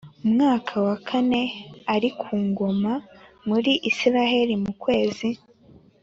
mwaka wa kane m ari ku ngoma muri Isirayeli mu kwezi